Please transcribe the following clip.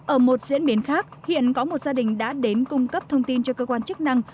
ở một diễn biến khác hiện có một gia đình đã đến cung cấp thông tin cho cơ quan chức năng